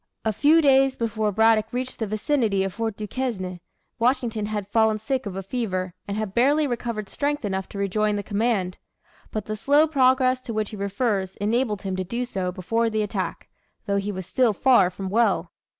A few days before Braddock reached the vicinity of Fort Duquesne, Washington had fallen sick of a fever, and had barely recovered strength enough to rejoin the command. But the slow progress to which he refers, enabled him to do so before the attack though he was still far from well.